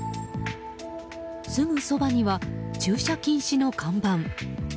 すぐそばには駐車禁止の看板。